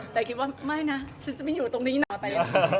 แต่คิดว่าไม่นะฉันจะไม่อยู่ตรงนี้หนาไป